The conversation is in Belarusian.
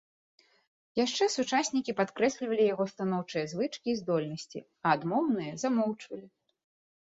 Яшчэ сучаснікі падкрэслівалі яго станоўчыя звычкі і здольнасці, а адмоўныя замоўчвалі.